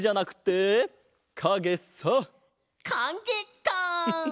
かげか！